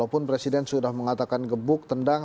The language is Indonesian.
walaupun presiden sudah mengatakan gebuk tendang